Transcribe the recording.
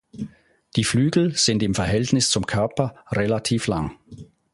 Die Flügel sind im Verhältnis zum Körper relativ lang.